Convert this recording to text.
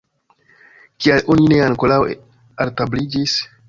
Kial oni ne ankoraŭ altabliĝis?